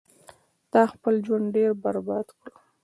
تا خپل ژوند ډیر برباد کړو